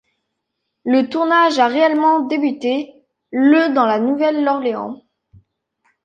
Le tournage a réellement débuté le dans La Nouvelle-Orléans.